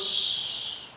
yang kedua secara khusus